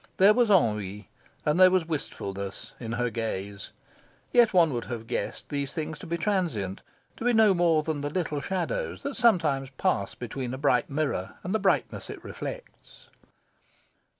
There was ennui, and there was wistfulness, in her gaze. Yet one would have guessed these things to be transient to be no more than the little shadows that sometimes pass between a bright mirror and the brightness it reflects.